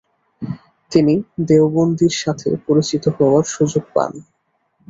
তিনি দেওবন্দির সাথে পরিচিত হওয়ার সুযোগ পান।